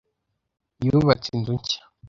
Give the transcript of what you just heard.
Yubatse inzu nshya.